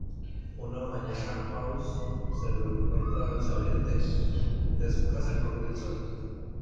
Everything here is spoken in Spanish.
Una mañana House se lo encuentra al salir de su casa con Wilson.